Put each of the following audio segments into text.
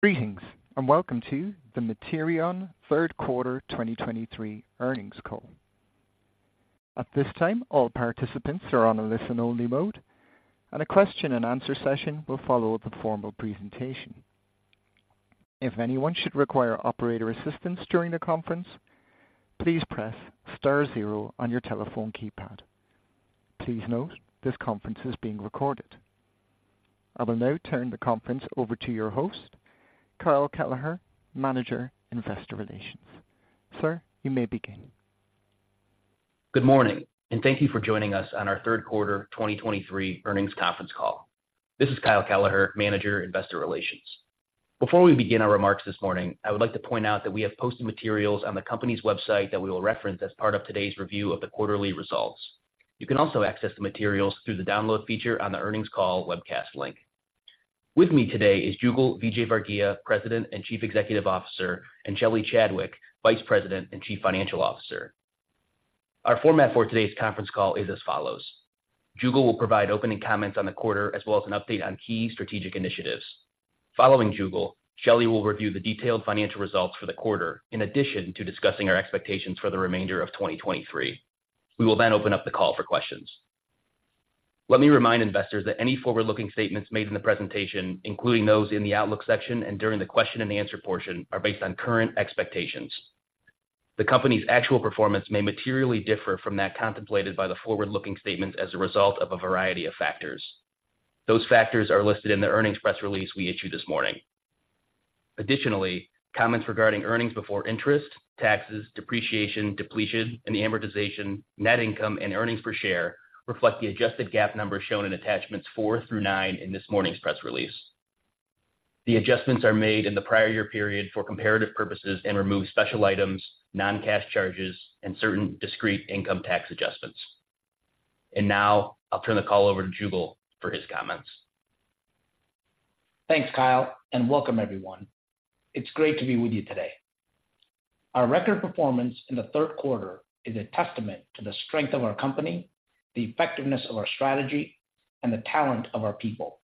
Greetings, and welcome to the Materion Third Quarter 2023 Earnings Call. At this time, all participants are on a listen-only mode, and a question-and-answer session will follow the formal presentation. If anyone should require operator assistance during the conference, please press star zero on your telephone keypad. Please note, this conference is being recorded. I will now turn the conference over to your host, Kyle Kelleher, Manager, Investor Relations. Sir, you may begin. Good morning, and thank you for joining us on our third quarter 2023 earnings conference call. This is Kyle Kelleher, Manager, Investor Relations. Before we begin our remarks this morning, I would like to point out that we have posted materials on the company's website that we will reference as part of today's review of the quarterly results. You can also access the materials through the download feature on the earnings call webcast link. With me today is Jugal Vijayvargiya, President and Chief Executive Officer, and Shelly Chadwick, Vice President and Chief Financial Officer. Our format for today's conference call is as follows: Jugal will provide opening comments on the quarter, as well as an update on key strategic initiatives. Following Jugal, Shelly will review the detailed financial results for the quarter, in addition to discussing our expectations for the remainder of 2023. We will then open up the call for questions. Let me remind investors that any forward-looking statements made in the presentation, including those in the outlook section and during the question-and-answer portion, are based on current expectations. The company's actual performance may materially differ from that contemplated by the forward-looking statements as a result of a variety of factors. Those factors are listed in the earnings press release we issued this morning. Additionally, comments regarding earnings before interest, taxes, depreciation, depletion, and amortization, net income and earnings per share reflect the adjusted GAAP numbers shown in attachments four through nine in this morning's press release. The adjustments are made in the prior year period for comparative purposes and remove special items, non-cash charges, and certain discrete income tax adjustments. And now I'll turn the call over to Jugal for his comments. Thanks, Kyle, and welcome everyone. It's great to be with you today. Our record performance in the third quarter is a testament to the strength of our company, the effectiveness of our strategy, and the talent of our people.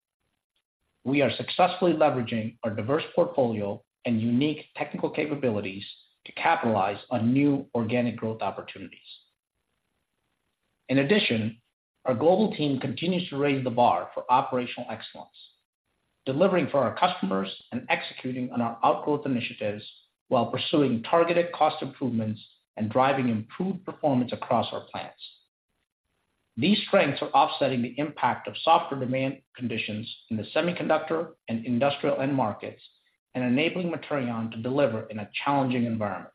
We are successfully leveraging our diverse portfolio and unique technical capabilities to capitalize on new organic growth opportunities. In addition, our global team continues to raise the bar for operational excellence, delivering for our customers and executing on our outgrowth initiatives while pursuing targeted cost improvements and driving improved performance across our plants. These strengths are offsetting the impact of softer demand conditions in the semiconductor and industrial end markets and enabling Materion to deliver in a challenging environment.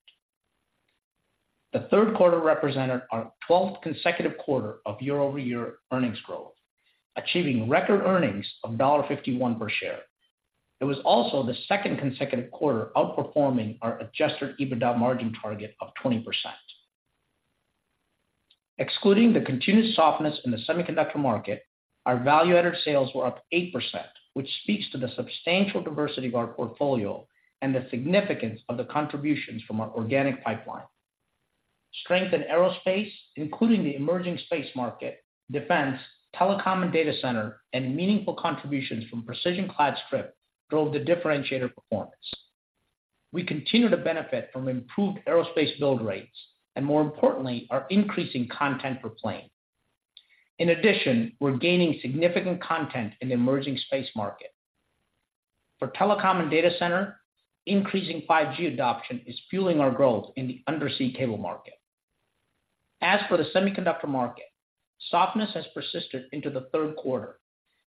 The third quarter represented our 12th consecutive quarter of year-over-year earnings growth, achieving record earnings of $1.51 per share. It was also the second consecutive quarter outperforming our adjusted EBITDA margin target of 20%. Excluding the continued softness in the semiconductor market, our value-added sales were up 8%, which speaks to the substantial diversity of our portfolio and the significance of the contributions from our organic pipeline. Strength in aerospace, including the emerging space market, defense, telecom, and data center, and meaningful contributions from Precision Clad Strip, drove the differentiator performance. We continue to benefit from improved aerospace build rates and, more importantly, are increasing content per plane. In addition, we're gaining significant content in the emerging space market. For telecom and data center, increasing 5G adoption is fueling our growth in the undersea cable market. As for the semiconductor market, softness has persisted into the third quarter,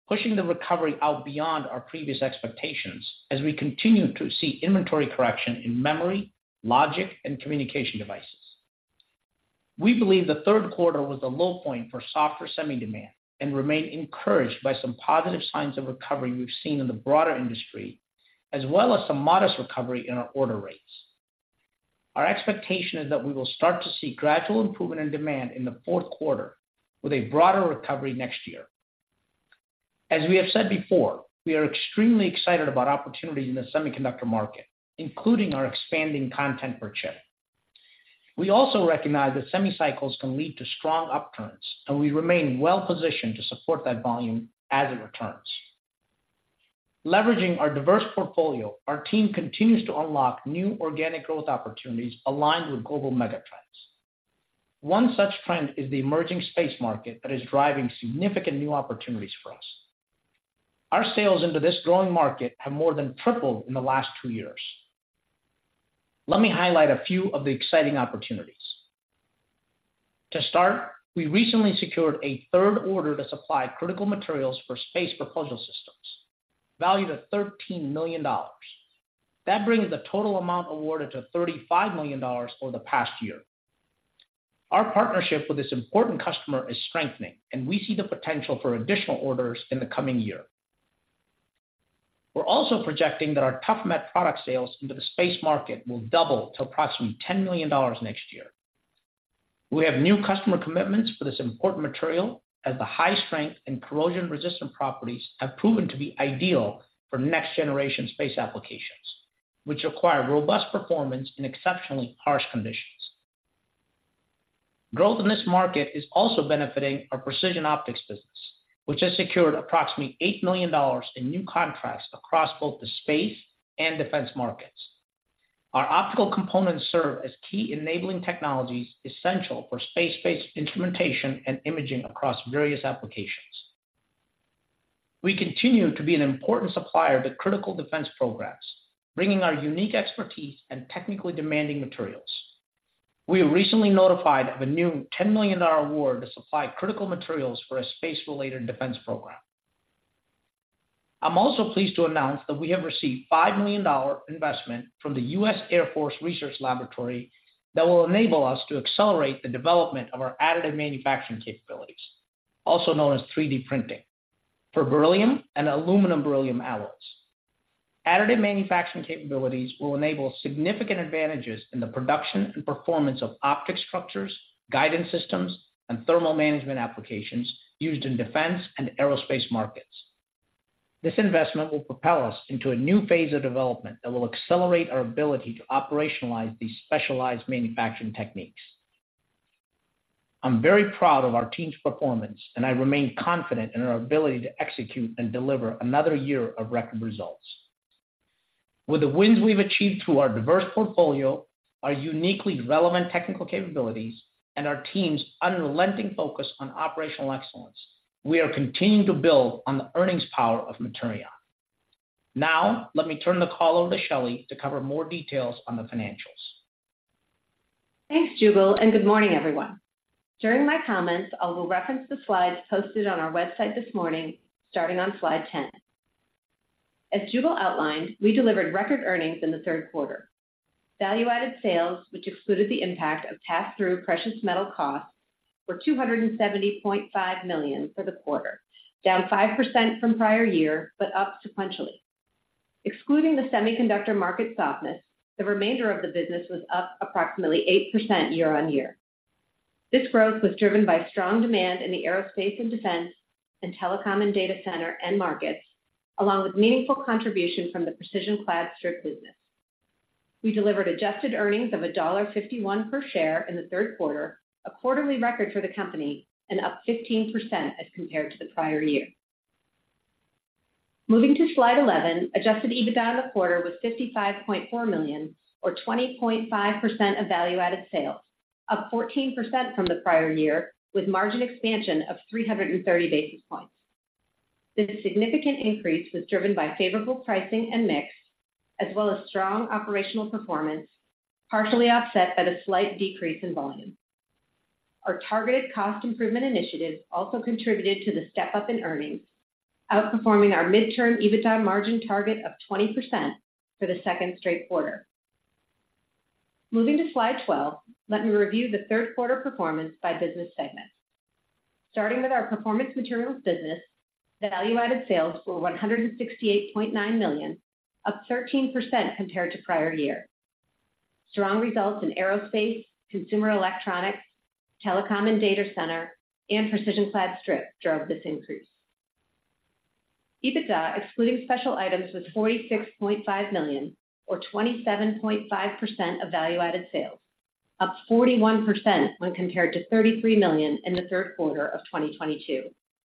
pushing the recovery out beyond our previous expectations as we continue to see inventory correction in memory, logic, and communication devices. We believe the third quarter was the low point for softer semi demand and remain encouraged by some positive signs of recovery we've seen in the broader industry, as well as some modest recovery in our order rates. Our expectation is that we will start to see gradual improvement in demand in the fourth quarter, with a broader recovery next year. As we have said before, we are extremely excited about opportunities in the semiconductor market, including our expanding content per chip. We also recognize that semi cycles can lead to strong upturns, and we remain well positioned to support that volume as it returns. Leveraging our diverse portfolio, our team continues to unlock new organic growth opportunities aligned with global mega trends. One such trend is the emerging space market that is driving significant new opportunities for us. Our sales into this growing market have more than tripled in the last two years. Let me highlight a few of the exciting opportunities. To start, we recently secured a third order to supply critical materials for space propulsion systems, valued at $13 million. That brings the total amount awarded to $35 million for the past year. Our partnership with this important customer is strengthening, and we see the potential for additional orders in the coming year. We're also projecting that our ToughMet product sales into the space market will double to approximately $10 million next year. We have new customer commitments for this important material, as the high strength and corrosion resistant properties have proven to be ideal for next-generation space applications, which require robust performance in exceptionally harsh conditions. Growth in this market is also benefiting our precision optics business, which has secured approximately $8 million in new contracts across both the space and defense markets. Our optical components serve as key enabling technologies essential for space-based instrumentation and imaging across various applications. We continue to be an important supplier to critical defense programs, bringing our unique expertise and technically demanding materials. We were recently notified of a new $10 million award to supply critical materials for a space-related defense program. I'm also pleased to announce that we have received $5 million investment from the U.S. Air Force Research Laboratory that will enable us to accelerate the development of our additive manufacturing capabilities, also known as 3D printing, for beryllium and aluminum beryllium alloys. Additive manufacturing capabilities will enable significant advantages in the production and performance of optic structures, guidance systems, and thermal management applications used in defense and aerospace markets. This investment will propel us into a new phase of development that will accelerate our ability to operationalize these specialized manufacturing techniques. I'm very proud of our team's performance, and I remain confident in our ability to execute and deliver another year of record results. With the wins we've achieved through our diverse portfolio, our uniquely relevant technical capabilities, and our team's unrelenting focus on operational excellence, we are continuing to build on the earnings power of Materion. Now, let me turn the call over to Shelly to cover more details on the financials. Thanks, Jugal, and good morning, everyone. During my comments, I will reference the slides posted on our website this morning, starting on slide 10. As Jugal outlined, we delivered record earnings in the third quarter. Value-added sales, which excluded the impact of pass-through precious metal costs, were $270.5 million for the quarter, down 5% from prior year, but up sequentially. Excluding the semiconductor market softness, the remainder of the business was up approximately 8% year-on-year. This growth was driven by strong demand in the aerospace and defense, and telecom and data center end markets, along with meaningful contribution from the Precision Clad Strip business. We delivered adjusted earnings of $1.51 per share in the third quarter, a quarterly record for the company, and up 15% as compared to the prior year. Moving to slide 11, adjusted EBITDA in the quarter was $55.4 million, or 20.5% of value-added sales, up 14% from the prior year, with margin expansion of 330 basis points. This significant increase was driven by favorable pricing and mix, as well as strong operational performance, partially offset by a slight decrease in volume. Our targeted cost improvement initiatives also contributed to the step-up in earnings, outperforming our midterm EBITDA margin target of 20% for the second straight quarter. Moving to slide 12, let me review the third quarter performance by business segment. Starting with our performance materials business, value-added sales were $168.9 million, up 13% compared to prior year. Strong results in aerospace, consumer electronics, telecom and data center, and Precision Clad Strip drove this increase. EBITDA, excluding special items, was $46.5 million, or 27.5% of value-added sales, up 41% when compared to $33 million in the third quarter of 2022,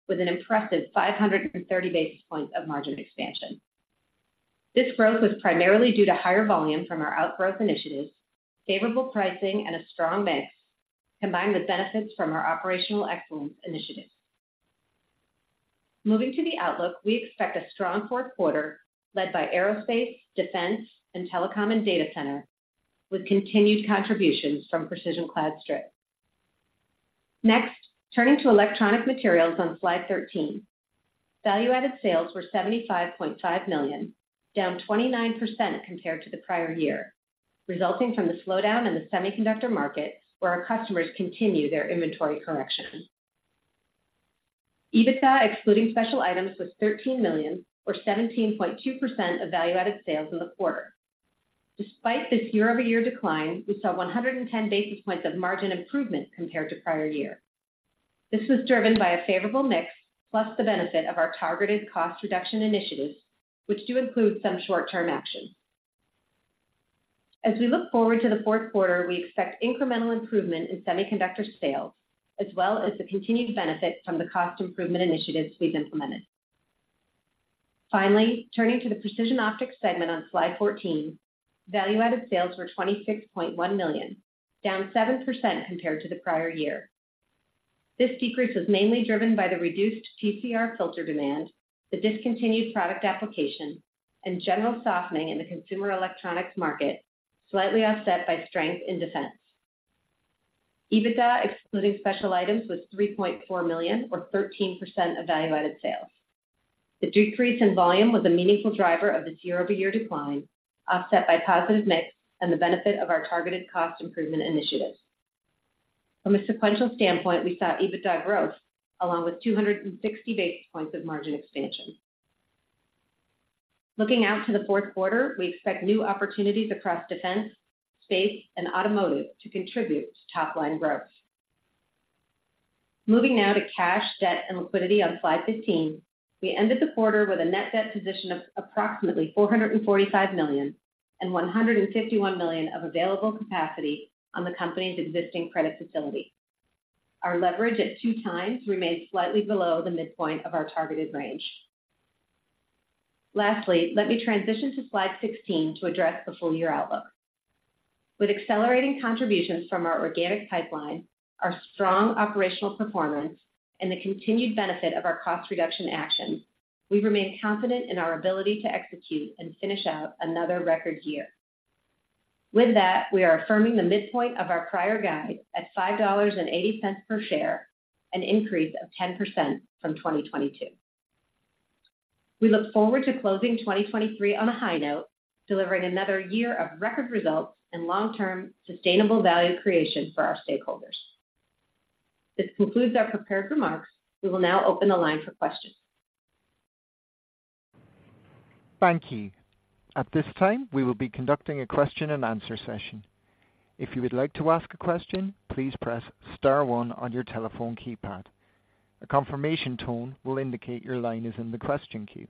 with an impressive 530 basis points of margin expansion. This growth was primarily due to higher volume from our outgrowth initiatives, favorable pricing, and a strong mix, combined with benefits from our operational excellence initiatives. Moving to the outlook, we expect a strong fourth quarter led by aerospace, defense, and telecom, and data center, with continued contributions from Precision Clad Strip. Next, turning to electronic materials on slide 13. Value-added sales were $75.5 million, down 29% compared to the prior year, resulting from the slowdown in the semiconductor market, where our customers continue their inventory correction. EBITDA, excluding special items, was $13 million, or 17.2% of value-added sales in the quarter. Despite this year-over-year decline, we saw 110 basis points of margin improvement compared to prior year. This was driven by a favorable mix, plus the benefit of our targeted cost reduction initiatives, which do include some short-term actions. As we look forward to the fourth quarter, we expect incremental improvement in semiconductor sales, as well as the continued benefit from the cost improvement initiatives we've implemented. Finally, turning to the precision optics segment on slide 14, value-added sales were $26.1 million, down 7% compared to the prior year. This decrease was mainly driven by the reduced TCR filter demand, the discontinued product application, and general softening in the consumer electronics market, slightly offset by strength in defense. EBITDA, excluding special items, was $3.4 million, or 13% of value-added sales. The decrease in volume was a meaningful driver of this year-over-year decline, offset by positive mix and the benefit of our targeted cost improvement initiatives. From a sequential standpoint, we saw EBITDA growth along with 260 basis points of margin expansion. Looking out to the fourth quarter, we expect new opportunities across defense, space, and automotive to contribute to top-line growth. Moving now to cash, debt, and liquidity on slide 15. We ended the quarter with a net debt position of approximately $445 million, and $151 million of available capacity on the company's existing credit facility. Our leverage at 2x remains slightly below the midpoint of our targeted range. Lastly, let me transition to slide 16 to address the full year outlook. With accelerating contributions from our organic pipeline, our strong operational performance, and the continued benefit of our cost reduction actions, we remain confident in our ability to execute and finish out another record year. With that, we are affirming the midpoint of our prior guide at $5.80 per share, an increase of 10% from 2022. We look forward to closing 2023 on a high note, delivering another year of record results and long-term sustainable value creation for our stakeholders. This concludes our prepared remarks. We will now open the line for questions. Thank you. At this time, we will be conducting a question-and-answer session. If you would like to ask a question, please press star one on your telephone keypad. A confirmation tone will indicate your line is in the question queue.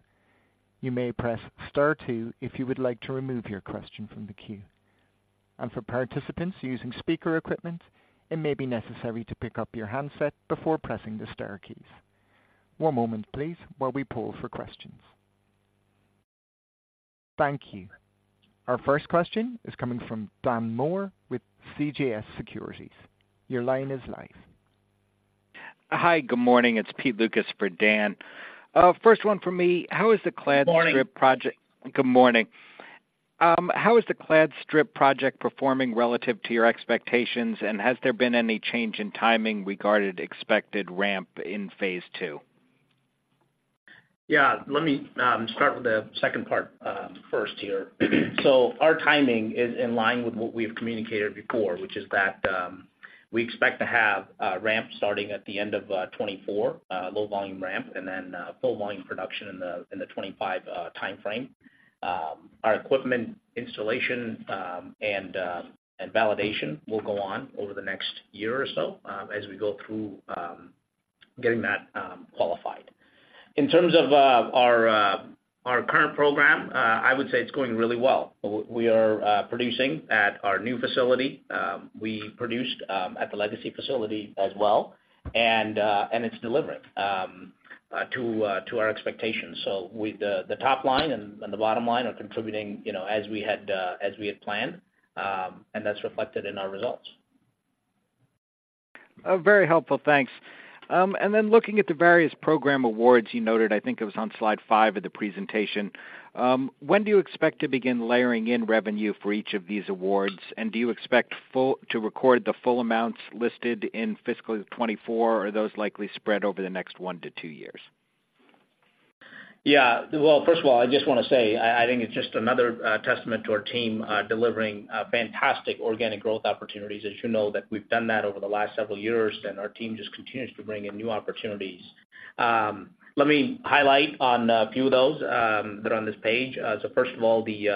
You may press star two if you would like to remove your question from the queue. For participants using speaker equipment, it may be necessary to pick up your handset before pressing the star keys. One moment, please, while we poll for questions. Thank you. Our first question is coming from Dan Moore with CJS Securities. Your line is live. Hi, good morning. It's Pete Lucas for Dan. First one for me, how is the Clad Strip project? Good morning. Good morning. How is the Clad Strip project performing relative to your expectations, and has there been any change in timing regarding expected ramp in phase II? Yeah, let me start with the second part first here. So our timing is in line with what we have communicated before, which is that we expect to have a ramp starting at the end of 2024, low volume ramp, and then full volume production in the 2025 timeframe. Our equipment installation and validation will go on over the next year or so as we go through getting that qualified. In terms of our current program, I would say it's going really well. We are producing at our new facility. We produced at the legacy facility as well, and it's delivering to our expectations. With the top line and the bottom line contributing, you know, as we had planned, and that's reflected in our results. Very helpful. Thanks. And then looking at the various program awards you noted, I think it was on slide five of the presentation, when do you expect to begin layering in revenue for each of these awards? And do you expect to record the full amounts listed in fiscal 2024, or are those likely spread over the next one to two years? Yeah. Well, first of all, I just wanna say, I think it's just another testament to our team delivering fantastic organic growth opportunities. As you know, that we've done that over the last several years, and our team just continues to bring in new opportunities. Let me highlight on a few of those that are on this page. So first of all, the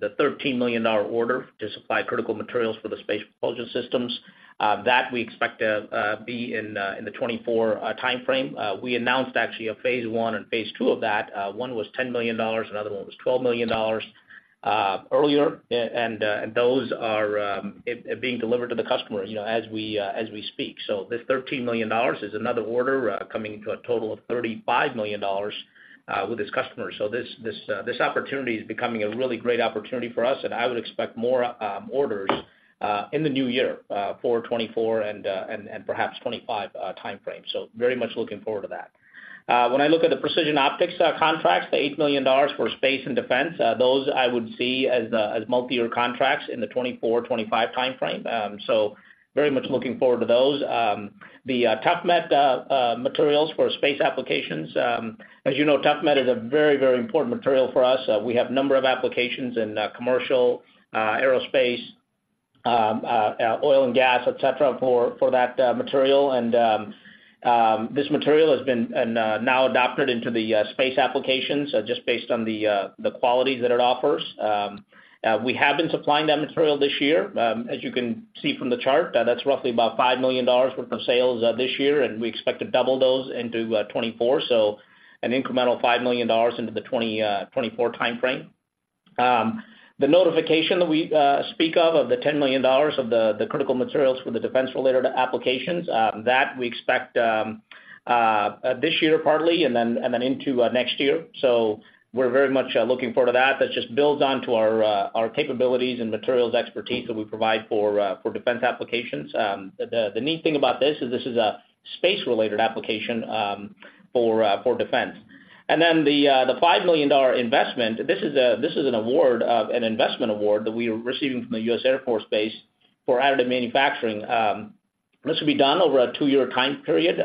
$13 million order to supply critical materials for the space propulsion systems that we expect to be in the 2024 timeframe. We announced actually a phase I and phase II of that. One was $10 million, another one was $12 million earlier, and those are being delivered to the customers, you know, as we speak. So this $13 million is another order, coming to a total of $35 million with this customer. So this opportunity is becoming a really great opportunity for us, and I would expect more orders in the new year for 2024 and perhaps 2025 timeframe. So very much looking forward to that. When I look at the precision optics contracts, the $8 million for space and defense, those I would see as multiyear contracts in the 2024-2025 timeframe. So very much looking forward to those. The ToughMet materials for space applications. As you know, ToughMet is a very, very important material for us. We have a number of applications in commercial aerospace, oil and gas, et cetera, for that material. And this material has been, and now adopted into the space applications, just based on the qualities that it offers. We have been supplying that material this year. As you can see from the chart, that's roughly about $5 million worth of sales this year, and we expect to double those into 2024. So an incremental $5 million into the 2024 timeframe. The notification that we speak of, of the $10 million of the critical materials for the defense-related applications, that we expect this year, partly, and then into next year. So we're very much looking forward to that. That just builds onto our capabilities and materials expertise that we provide for defense applications. The neat thing about this is this is a space-related application for defense. And then the $5 million investment, this is an award, an investment award that we are receiving from the U.S. Air Force Base for additive manufacturing. This will be done over a two-year time period.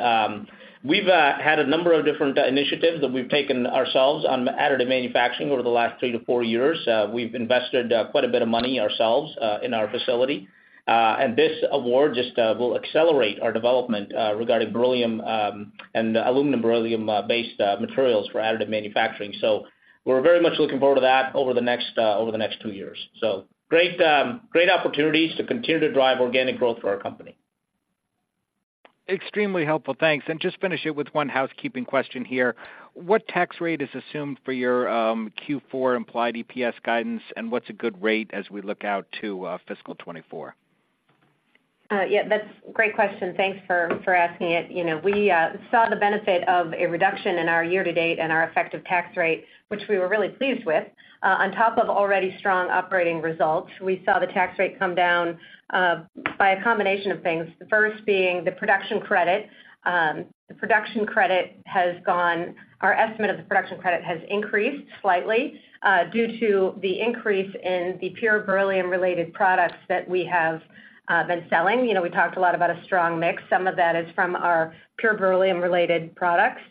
We've had a number of different initiatives that we've taken ourselves on additive manufacturing over the last three to four years. We've invested quite a bit of money ourselves in our facility. This award just will accelerate our development regarding beryllium and aluminum-beryllium based materials for additive manufacturing. So, we're very much looking forward to that over the next two years. So great opportunities to continue to drive organic growth for our company. Extremely helpful. Thanks. And just finish it with one housekeeping question here. What tax rate is assumed for your Q4 implied EPS guidance, and what's a good rate as we look out to fiscal 2024? Yeah, that's a great question. Thanks for asking it. You know, we saw the benefit of a reduction in our year-to-date and our effective tax rate, which we were really pleased with. On top of already strong operating results, we saw the tax rate come down by a combination of things, the first being the production credit. Our estimate of the production credit has increased slightly due to the increase in the pure beryllium-related products that we have been selling. You know, we talked a lot about a strong mix. Some of that is from our pure beryllium-related products.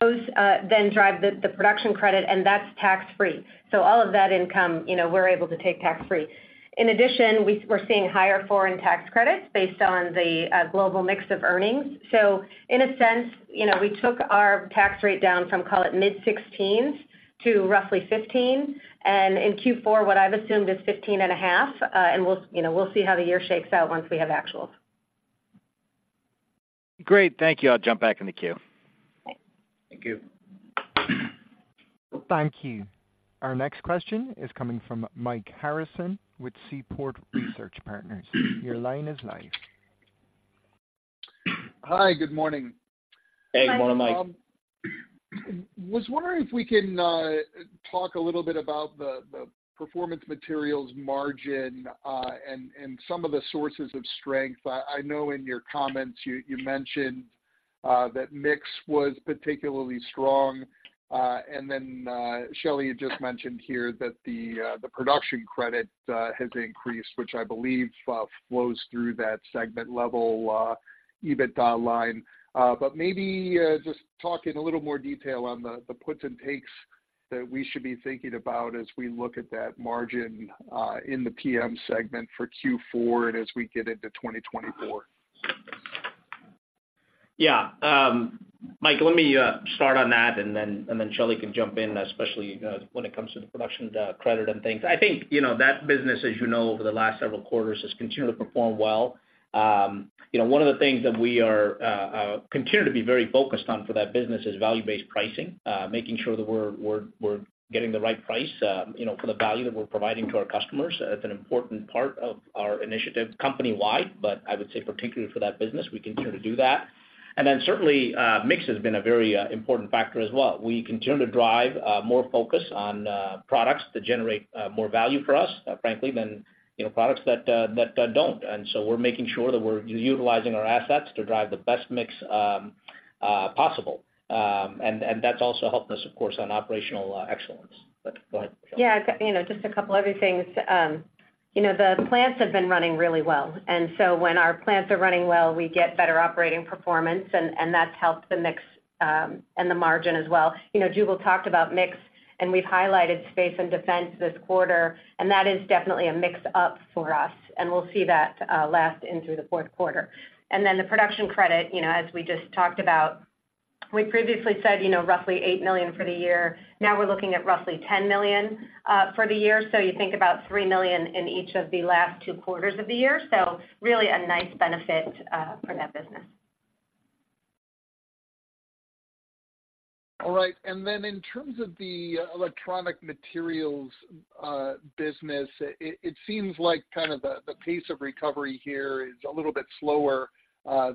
Those then drive the production credit, and that's tax-free. So all of that income, you know, we're able to take tax-free. In addition, we're seeing higher foreign tax credits based on the global mix of earnings. So in a sense, you know, we took our tax rate down from, call it, mid 16s to roughly 15s, and in Q4, what I've assumed is 15.5%, and we'll, you know, we'll see how the year shakes out once we have actuals. Great. Thank you. I'll jump back in the queue. Thank you. Thank you. Our next question is coming from Mike Harrison with Seaport Research Partners. Your line is live. Hi, good morning. Hey, good morning, Mike. Was wondering if we can talk a little bit about the performance materials margin and some of the sources of strength. I know in your comments you mentioned that mix was particularly strong. And then, Shelly, you just mentioned here that the production credit has increased, which I believe flows through that segment-level EBITDA line. But maybe just talk in a little more detail on the puts and takes that we should be thinking about as we look at that margin in the PM segment for Q4 and as we get into 2024. Yeah. Mike, let me start on that, and then Shelley can jump in, especially when it comes to the production credit and things. I think, you know, that business, as you know, over the last several quarters, has continued to perform well. You know, one of the things that we are continue to be very focused on for that business is value-based pricing, making sure that we're, we're, we're getting the right price, you know, for the value that we're providing to our customers. That's an important part of our initiative company-wide, but I would say particularly for that business, we continue to do that. And then certainly mix has been a very important factor as well. We continue to drive more focus on products that generate more value for us, frankly, than, you know, products that don't. And so we're making sure that we're utilizing our assets to drive the best mix possible. And that's also helped us, of course, on operational excellence. But go ahead, Shelly. Yeah, you know, just a couple other things. You know, the plants have been running really well, and so when our plants are running well, we get better operating performance, and, and that's helped the mix, and the margin as well. You know, Jugal talked about mix, and we've highlighted space and defense this quarter, and that is definitely a mix-up for us, and we'll see that, last in through the fourth quarter. And then the production credit, you know, as we just talked about, we previously said, you know, roughly $8 million for the year. Now we're looking at roughly $10 million, for the year. So you think about $3 million in each of the last two quarters of the year. So really a nice benefit, for that business. All right. And then in terms of the electronic materials business, it seems like kind of the pace of recovery here is a little bit slower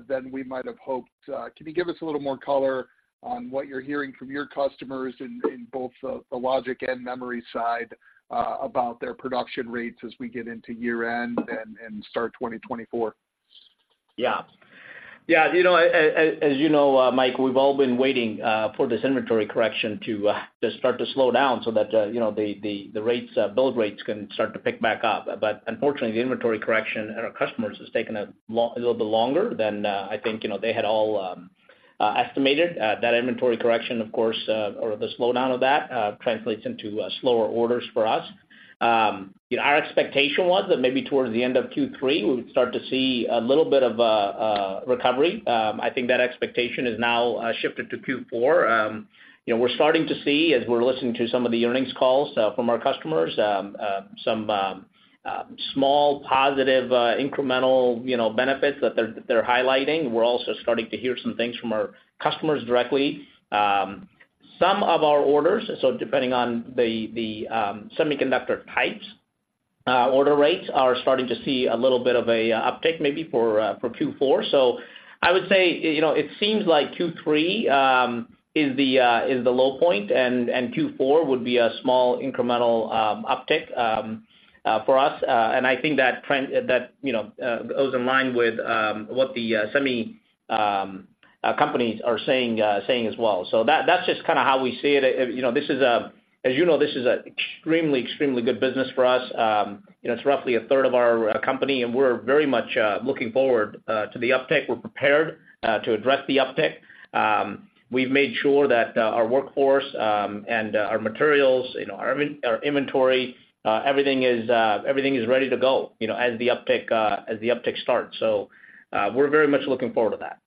than we might have hoped. Can you give us a little more color on what you're hearing from your customers in both the logic and memory side about their production rates as we get into year-end and start 2024? Yeah. Yeah, you know, as you know, Mike, we've all been waiting for this inventory correction to start to slow down so that, you know, the rates build rates can start to pick back up. But unfortunately, the inventory correction at our customers has taken a little bit longer than, I think, you know, they had all estimated. That inventory correction, of course, or the slowdown of that translates into slower orders for us. Our expectation was that maybe towards the end of Q3, we would start to see a little bit of a recovery. I think that expectation has now shifted to Q4. You know, we're starting to see, as we're listening to some of the earnings calls from our customers, some small positive incremental, you know, benefits that they're highlighting. We're also starting to hear some things from our customers directly. Some of our orders, so depending on the semiconductor types, order rates are starting to see a little bit of a uptick, maybe for Q4. So I would say, you know, it seems like Q3 is the low point, and Q4 would be a small incremental uptick for us. And I think that trend that, you know, goes in line with what the semi companies are saying as well. So that's just kind of how we see it. You know, this is. As you know, this is an extremely, extremely good business for us. You know, it's roughly a third of our company, and we're very much looking forward to the uptick. We're prepared to address the uptick. We've made sure that our workforce and our materials, you know, our inventory, everything is ready to go, you know, as the uptick starts. So, we're very much looking forward to that.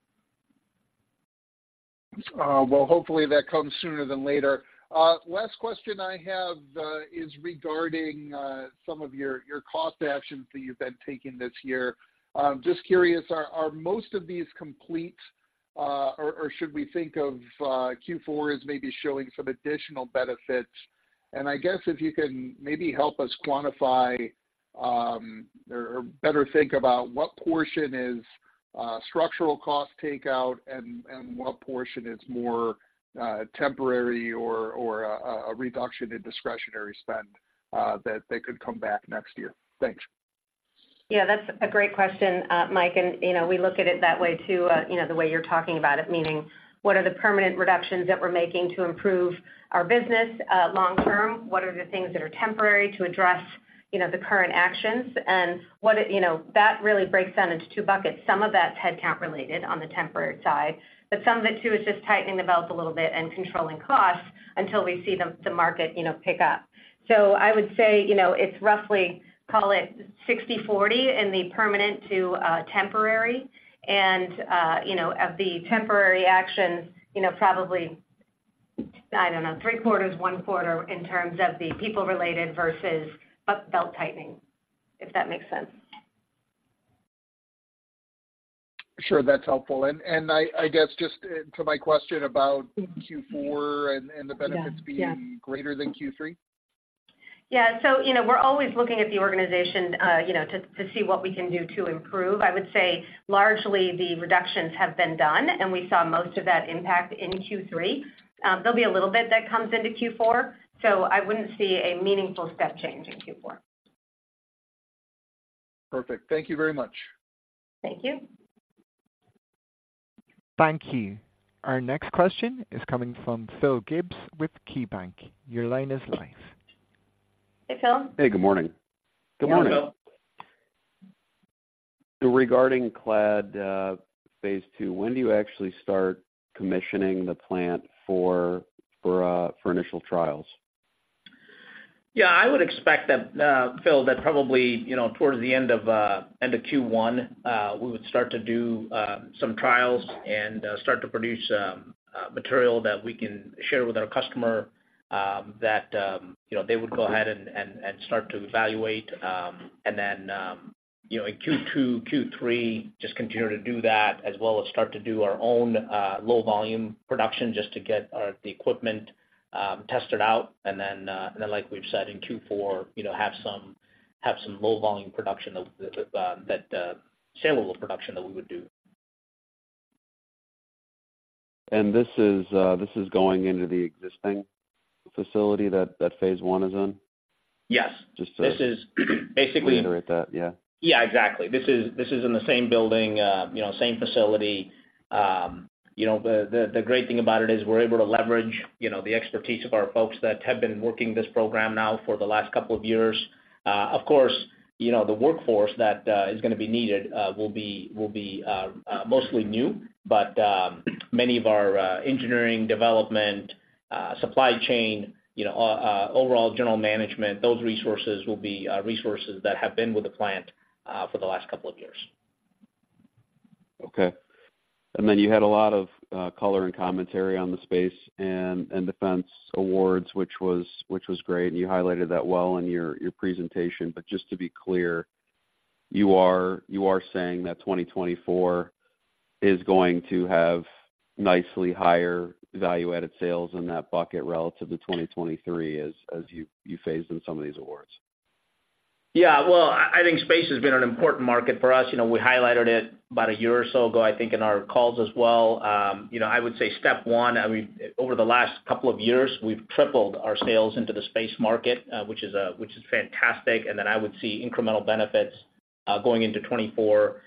Well, hopefully that comes sooner than later. Last question I have is regarding some of your, your cost actions that you've been taking this year. Just curious, are, are most of these complete, or should we think of Q4 as maybe showing some additional benefits? And I guess if you can maybe help us quantify, or better think about what portion is structural cost takeout and, and what portion is more temporary or a reduction in discretionary spend, that, that could come back next year. Thanks. Yeah, that's a great question, Mike. And you know, we look at it that way, too, you know, the way you're talking about it, meaning what are the permanent reductions that we're making to improve our business, long term? What are the things that are temporary to address, you know, the current actions? And what it, you know, that really breaks down into two buckets. Some of that's headcount related on the temporary side, but some of it, too, is just tightening the belt a little bit and controlling costs until we see the market, you know, pick up. So I would say, you know, it's roughly, call it 60/40 in the permanent to temporary. And, you know, of the temporary actions, you know, probably, I don't know, three quarters, one quarter in terms of the people-related versus belt-tightening, if that makes sense. Sure, that's helpful. And I guess, just to my question about Q4 and the benefits. Yeah, yeah. being greater than Q3. Yeah. So, you know, we're always looking at the organization, you know, to, to see what we can do to improve. I would say, largely, the reductions have been done, and we saw most of that impact in Q3. There'll be a little bit that comes into Q4, so I wouldn't see a meaningful step change in Q4. Perfect. Thank you very much. Thank you. Thank you. Our next question is coming from Phil Gibbs with KeyBanc. Your line is live. Hey, Phil. Hey, good morning. Good morning. Regarding Clad, phase II, when do you actually start commissioning the plant for initial trials? Yeah, I would expect that, Phil, that probably, you know, towards the end of end of Q1, we would start to do some trials and start to produce material that we can share with our customer, that, you know, they would go ahead and start to evaluate. And then, you know, in Q2, Q3, just continue to do that, as well as start to do our own low volume production just to get the equipment tested out. And then, like we've said, in Q4, you know, have some low volume production of that saleable production that we would do. And this is going into the existing facility that phase I is in? Yes. Just to. This is basically. Reiterate that, yeah. Yeah, exactly. This is in the same building, you know, same facility. You know, the great thing about it is we're able to leverage, you know, the expertise of our folks that have been working this program now for the last couple of years. Of course, you know, the workforce that is gonna be needed will be mostly new, but many of our engineering, development, supply chain, you know, overall general management, those resources will be resources that have been with the plant for the last couple of years. Okay. And then you had a lot of color and commentary on the space and defense awards, which was great, and you highlighted that well in your presentation. But just to be clear, you are saying that 2024 is going to have nicely higher value-added sales in that bucket relative to 2023 as you phase in some of these awards? Yeah, well, I think space has been an important market for us. You know, we highlighted it about a year or so ago, I think, in our calls as well. You know, I would say step one, I mean, over the last couple of years, we've tripled our sales into the space market, which is fantastic, and then I would see incremental benefits going into 2024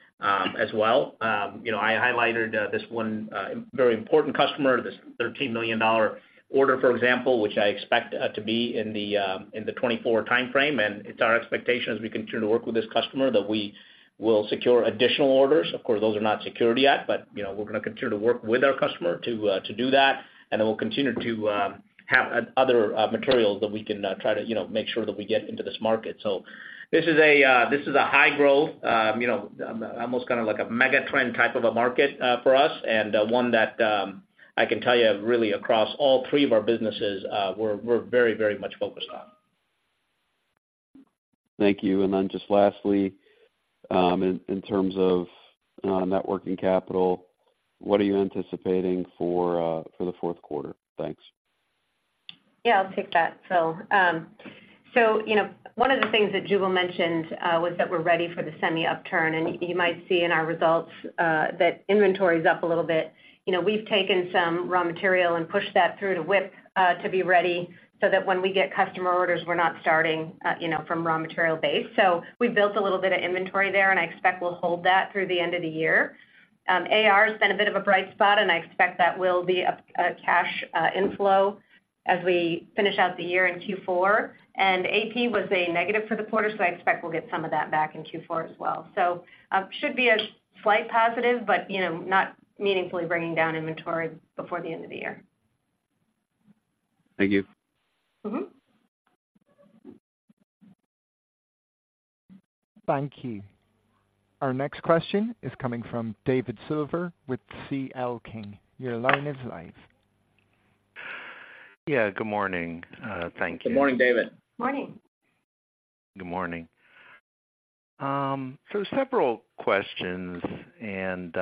as well. You know, I highlighted this one very important customer, this $13 million order, for example, which I expect to be in the 2024 timeframe. And it's our expectation as we continue to work with this customer, that we will secure additional orders. Of course, those are not secured yet, but, you know, we're gonna continue to work with our customer to do that, and then we'll continue to have other materials that we can try to, you know, make sure that we get into this market. So this is a high-growth, you know, almost kind of like a mega trend type of a market for us, and one that I can tell you really across all three of our businesses, we're very, very much focused on. Thank you. Then just lastly, in terms of working capital, what are you anticipating for the fourth quarter? Thanks. Yeah, I'll take that, Phil. So, you know, one of the things that Jugal mentioned was that we're ready for the semi-upturn, and you might see in our results that inventory is up a little bit. You know, we've taken some raw material and pushed that through to WIP to be ready so that when we get customer orders, we're not starting, you know, from raw material base. So we've built a little bit of inventory there, and I expect we'll hold that through the end of the year. AR has been a bit of a bright spot, and I expect that will be a cash inflow as we finish out the year in Q4. And AP was a negative for the quarter, so I expect we'll get some of that back in Q4 as well. So, should be a slight positive, but, you know, not meaningfully bringing down inventory before the end of the year. Thank you. Thank you. Our next question is coming from David Silver with CL King. Your line is live. Yeah, good morning. Thank you. Good morning, David. Morning. Good morning. So several questions, and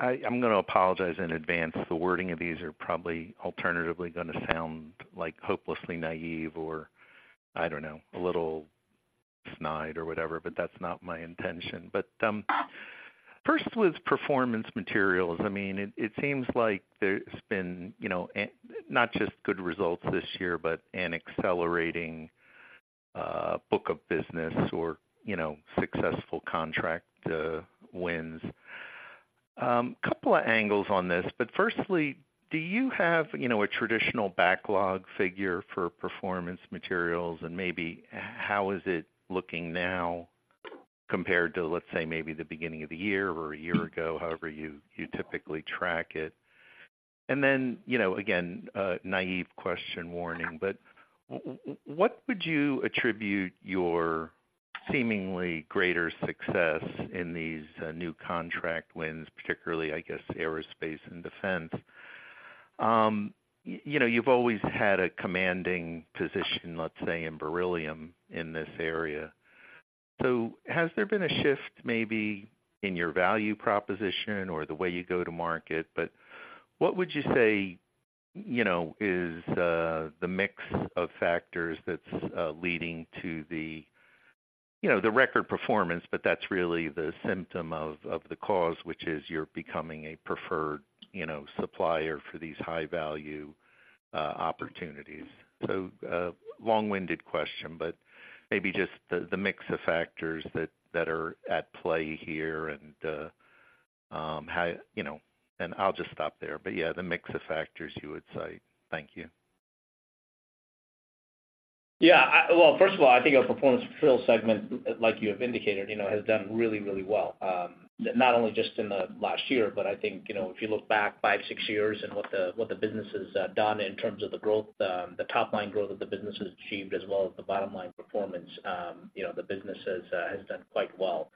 I’m gonna apologize in advance. The wording of these are probably alternatively gonna sound like hopelessly naive, or I don’t know, a little snide or whatever, but that’s not my intention. But first with performance materials, I mean it seems like there’s been, you know, not just good results this year, but an accelerating book of business or, you know, successful contract wins. Couple of angles on this, but firstly, do you have, you know, a traditional backlog figure for performance materials? And maybe how is it looking now compared to, let’s say, maybe the beginning of the year or a year ago, however you typically track it. And then, you know, again, a naive question warning, but what would you attribute your seemingly greater success in these new contract wins, particularly, I guess, aerospace and defense? You know, you've always had a commanding position, let's say, in beryllium, in this area. So has there been a shift maybe in your value proposition or the way you go to market? But what would you say, you know, is the mix of factors that's leading to the, you know, the record performance, but that's really the symptom of, of the cause, which is you're becoming a preferred, you know, supplier for these high value opportunities? So, long-winded question, but maybe just the mix of factors that are at play here and how... You know, and I'll just stop there. But, yeah, the mix of factors you would cite. Thank you. Yeah. Well, first of all, I think our performance materials segment, like you have indicated, you know, has done really, really well. Not only just in the last year, but I think, you know, if you look back five, six years and what the, what the business has done in terms of the growth, the top line growth that the business has achieved, as well as the bottom line performance, you know, the business has done quite well.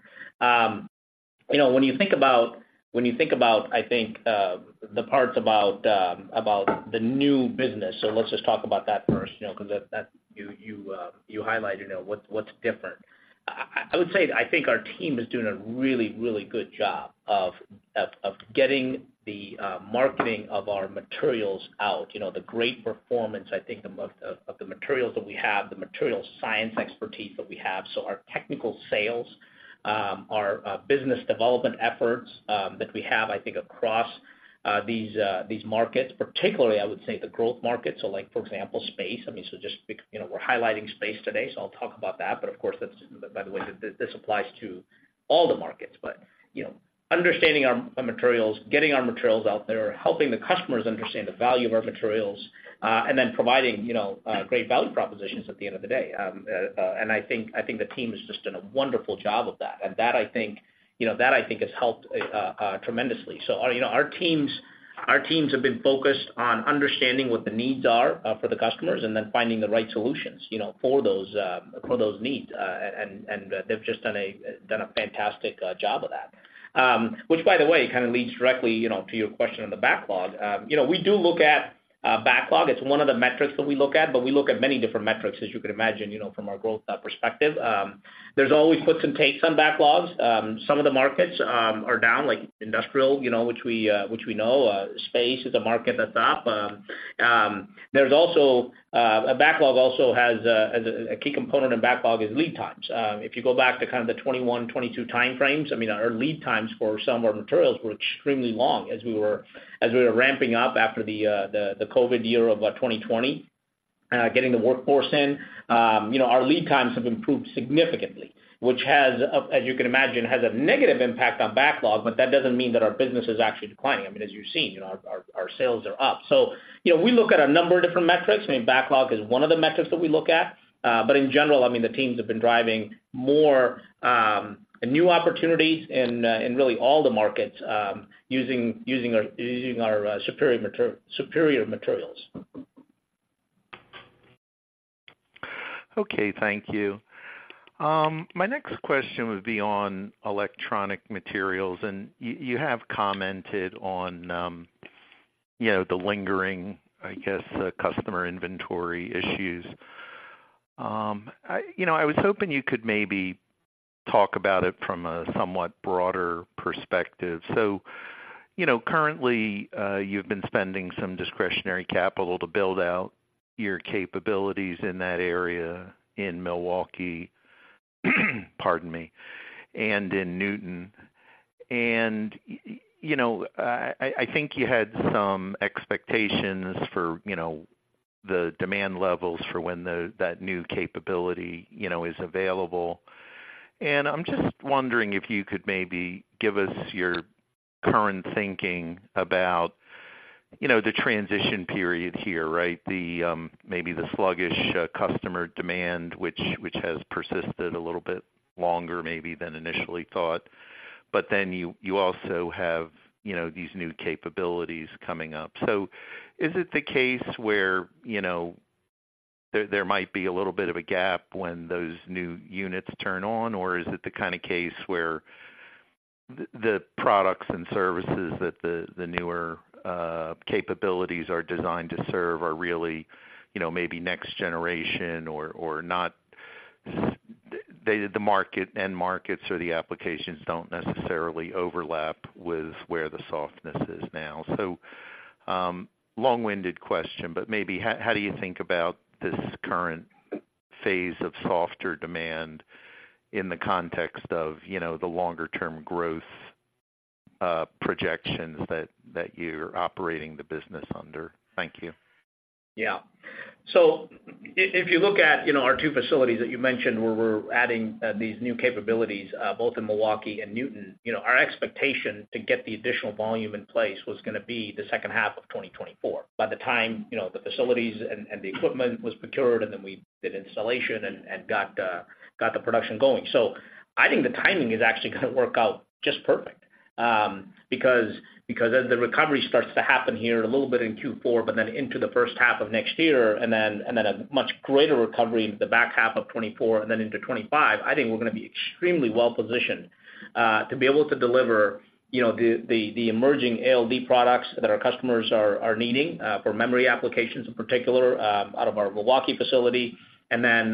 You know, when you think about, when you think about, I think, the parts about the new business, so let's just talk about that first, you know, because that, that you, you highlighted, you know, what's different. I would say, I think our team is doing a really, really good job of getting the marketing of our materials out. You know, the great performance, I think, of the materials that we have, the materials science expertise that we have. So our technical sales, our business development efforts that we have, I think, across these markets, particularly, I would say, the growth markets. So like, for example, space. I mean, so just you know, we're highlighting space today, so I'll talk about that, but of course, that's, by the way, this applies to all the markets. But, you know, understanding our materials, getting our materials out there, helping the customers understand the value of our materials, and then providing, you know, great value propositions at the end of the day. And I think the team has just done a wonderful job of that. And that I think, you know, has helped tremendously. So, you know, our teams have been focused on understanding what the needs are for the customers and then finding the right solutions, you know, for those needs. And they've just done a fantastic job of that. Which, by the way, kind of leads directly, you know, to your question on the backlog. You know, we do look at backlog. It's one of the metrics that we look at, but we look at many different metrics, as you could imagine, you know, from a growth perspective. There's always puts and takes on backlogs. Some of the markets are down, like industrial, you know, which we know. Space is a market that's up. There's also a backlog. A key component in backlog is lead times. If you go back to kind of the 2021, 2022 timeframes, I mean, our lead times for some of our materials were extremely long as we were ramping up after the COVID year of 2020, getting the workforce in. You know, our lead times have improved significantly, which has, as you can imagine, a negative impact on backlog, but that doesn't mean that our business is actually declining. I mean, as you've seen, you know, our sales are up. So, you know, we look at a number of different metrics. I mean, backlog is one of the metrics that we look at. But in general, I mean the teams have been driving more new opportunities in really all the markets, using our superior materials. Okay, thank you. My next question would be on electronic materials, and you have commented on, you know, the lingering, I guess, customer inventory issues. I, you know, I was hoping you could maybe talk about it from a somewhat broader perspective. So, you know, currently, you've been spending some discretionary capital to build out your capabilities in that area in Milwaukee, pardon me, and in Newton. And, you know, I think you had some expectations for, you know, the demand levels for when the, that new capability, you know, is available. And I'm just wondering if you could maybe give us your current thinking about, you know, the transition period here, right? The, maybe the sluggish, customer demand, which has persisted a little bit longer maybe than initially thought. But then you also have, you know, these new capabilities coming up. So is it the case where, you know, there might be a little bit of a gap when those new units turn on? Or is it the kind of case where the products and services that the newer capabilities are designed to serve are really, you know, maybe next generation or not the market, end markets or the applications don't necessarily overlap with where the softness is now? So, long-winded question, but maybe how do you think about this current phase of softer demand in the context of, you know, the longer-term growth projections that you're operating the business under? Thank you. Yeah. So if you look at, you know, our two facilities that you mentioned, where we're adding these new capabilities, both in Milwaukee and Newton, you know, our expectation to get the additional volume in place was gonna be the second half of 2024. By the time, you know, the facilities and the equipment was procured, and then we did installation and got the production going. So I think the timing is actually gonna work out just perfect, because as the recovery starts to happen here, a little bit in Q4, but then into the first half of next year, and then a much greater recovery in the back half of 2024 and then into 2025, I think we're gonna be extremely well positioned to be able to deliver, you know, the emerging ALD products that our customers are needing for memory applications, in particular, out of our Milwaukee facility, and then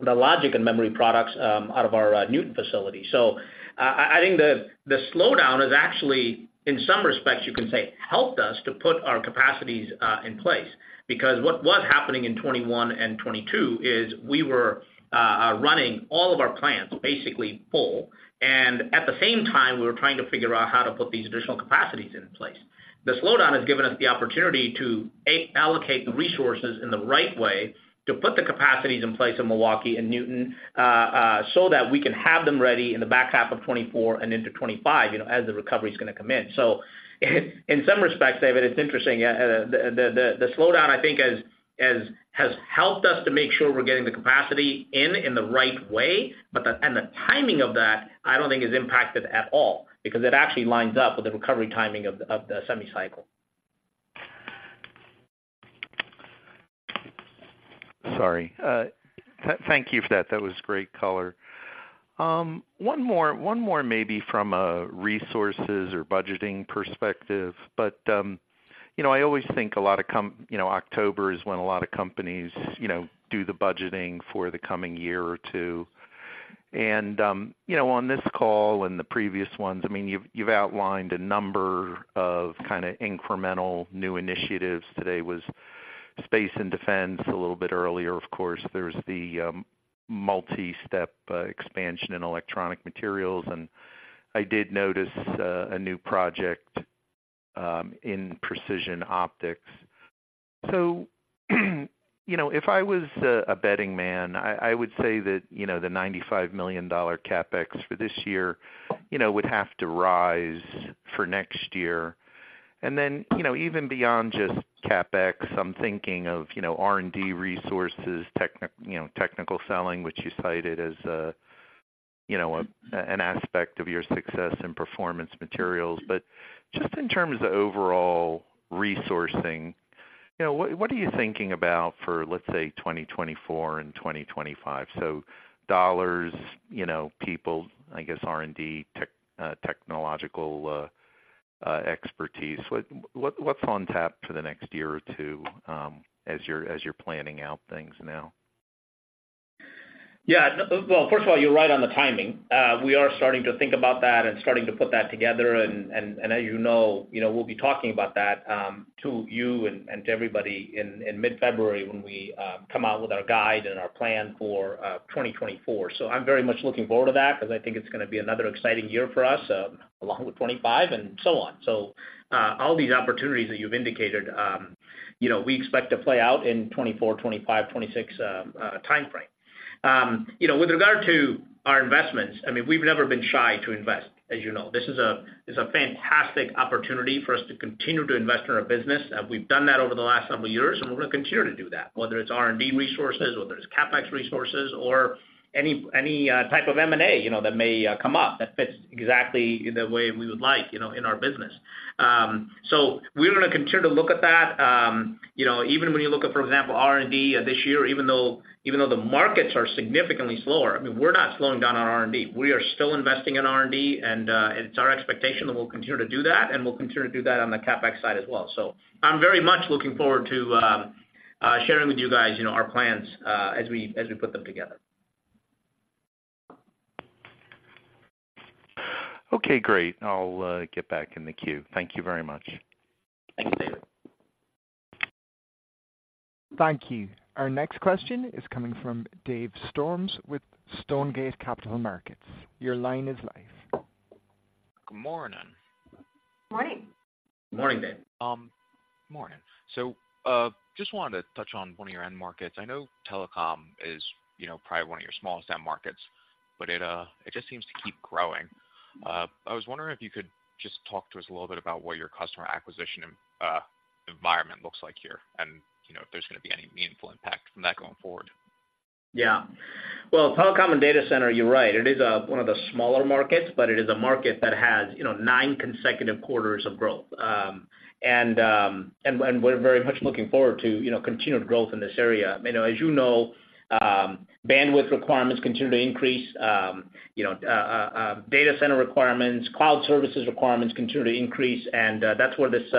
the logic and memory products out of our Newton facility. So I think the slowdown has actually, in some respects, you can say, helped us to put our capacities in place. Because what was happening in 2021 and 2022 is we were running all of our plants basically full, and at the same time, we were trying to figure out how to put these additional capacities in place. The slowdown has given us the opportunity to, A, allocate the resources in the right way to put the capacities in place in Milwaukee and Newton, so that we can have them ready in the back half of 2024 and into 2025, you know, as the recovery is gonna come in. So in some respects, David, it's interesting. The slowdown, I think has helped us to make sure we're getting the capacity in the right way, but and the timing of that, I don't think is impacted at all, because it actually lines up with the recovery timing of the semi cycle. Sorry. Thank you for that. That was great color. One more maybe from a resources or budgeting perspective, but, you know, I always think a lot of companies, you know, October is when a lot of companies, you know, do the budgeting for the coming year or two. And, you know, on this call and the previous ones, I mean, you've outlined a number of kind of incremental new initiatives. Today was space and defense. A little bit earlier, of course, there was the multi-step expansion in electronic materials, and I did notice a new project in precision optics. So, you know, if I was a betting man, I would say that, you know, the $95 million CapEx for this year, you know, would have to rise for next year. And then, you know, even beyond just CapEx, I'm thinking of, you know, R&D resources, you know, technical selling, which you cited as a, you know, an aspect of your success in performance materials. But just in terms of overall resourcing, you know, what, what are you thinking about for, let's say, 2024 and 2025? So dollars, you know, people, I guess R&D, technological expertise. What, what, what's on tap for the next year or two, as you're planning out things now? Yeah. Well, first of all, you're right on the timing. We are starting to think about that and starting to put that together. And as you know, you know, we'll be talking about that to you and to everybody in mid February when we come out with our guide and our plan for 2024. So I'm very much looking forward to that because I think it's gonna be another exciting year for us along with 2025 and so on. So all these opportunities that you've indicated, you know, we expect to play out in 2024, 2025, 2026 timeframe. You know, with regard to our investments, I mean, we've never been shy to invest, as you know. This is a fantastic opportunity for us to continue to invest in our business, and we've done that over the last several years, and we're gonna continue to do that, whether it's R&D resources, whether it's CapEx resources or any type of M&A, you know, that may come up, that fits exactly the way we would like, you know, in our business. So we're gonna continue to look at that. You know, even when you look at, for example, R&D this year, even though the markets are significantly slower, I mean, we're not slowing down on R&D. We are still investing in R&D, and it's our expectation that we'll continue to do that, and we'll continue to do that on the CapEx side as well. I'm very much looking forward to sharing with you guys, you know, our plans as we put them together. Okay, great. I'll get back in the queue. Thank you very much. Thank you, David. Thank you. Our next question is coming from Dave Storms with Stonegate Capital Markets. Your line is live. Good morning. Morning! Morning, Dave. Morning. So, just wanted to touch on one of your end markets. I know telecom is, you know, probably one of your smallest end markets, but it, it just seems to keep growing. I was wondering if you could just talk to us a little bit about what your customer acquisition, environment looks like here, and, you know, if there's gonna be any meaningful impact from that going forward. Yeah. Well, telecom and data center, you're right. It is one of the smaller markets, but it is a market that has, you know, nine consecutive quarters of growth. And we're very much looking forward to, you know, continued growth in this area. You know, as you know, bandwidth requirements continue to increase, you know, data center requirements, cloud services requirements continue to increase, and that's where this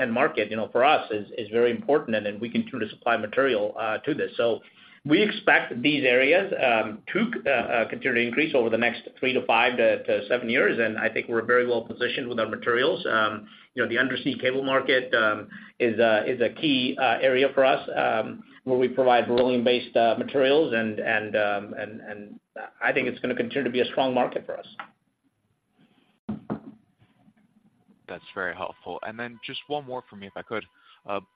end market, you know, for us is very important, and then we continue to supply material to this. So we expect these areas to continue to increase over the next three to five to seven years, and I think we're very well positioned with our materials. You know, the undersea cable market is a key area for us, where we provide beryllium-based materials, and I think it's gonna continue to be a strong market for us. That's very helpful. And then just one more for me, if I could.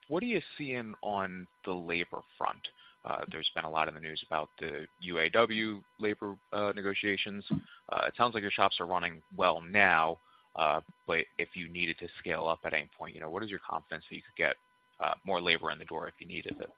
What are you seeing on the labor front? There's been a lot in the news about the UAW labor negotiations. It sounds like your shops are running well now, but if you needed to scale up at any point, you know, what is your confidence that you could get more labor in the door if you needed it?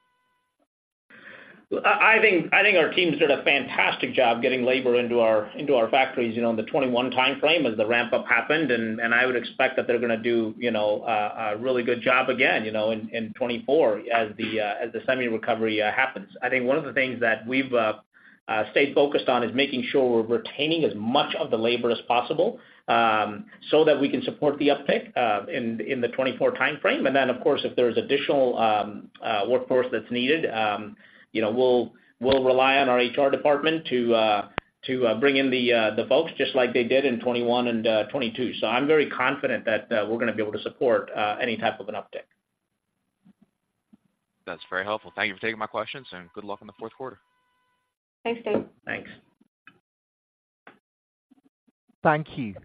Well, I think our team has done a fantastic job getting labor into our factories, you know, in the 2021 timeframe as the ramp-up happened, and I would expect that they're gonna do, you know, a really good job again, you know, in 2024 as the semi recovery happens. I think one of the things that we've stayed focused on is making sure we're retaining as much of the labor as possible, so that we can support the uptick in the 2024 timeframe. Then, of course, if there's additional workforce that's needed, you know, we'll rely on our HR department to bring in the folks, just like they did in 2021 and 2022. So I'm very confident that we're gonna be able to support any type of an uptick. That's very helpful. Thank you for taking my questions, and good luck in the fourth quarter. Thanks, Dave. Thanks. Thank you.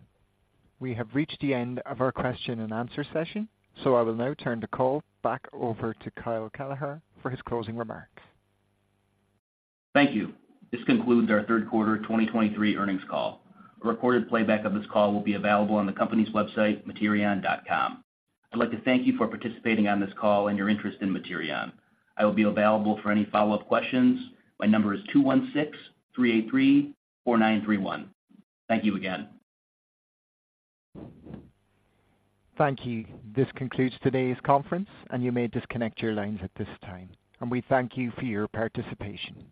We have reached the end of our question and answer session, so I will now turn the call back over to Kyle Kelleher for his closing remarks. Thank you. This concludes our third quarter 2023 earnings call. A recorded playback of this call will be available on the company's website, materion.com. I'd like to thank you for participating on this call and your interest in Materion. I will be available for any follow-up questions. My number is 216-383-4931. Thank you again. Thank you. This concludes today's conference, and you may disconnect your lines at this time. We thank you for your participation.